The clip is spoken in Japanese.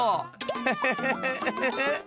フフフフウフフ。